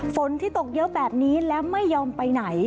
ฝนที่ตกเยอะแบบนี้แล้วไม่ยอมไปไหน